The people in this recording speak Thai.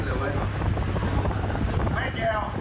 นั่งนั่งนั่งให้บอก